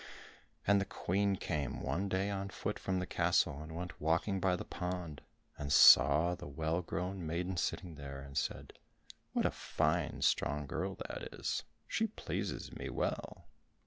And the Queen came one day on foot from the castle, and went walking by the pond, and saw the well grown maiden sitting there, and said, "What a fine strong girl that is! She pleases me well!"